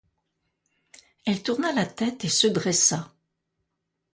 Elle tourna la tête et se dressa.